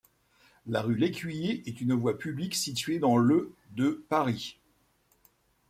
La rue Lécuyer est une voie publique située dans le de Paris.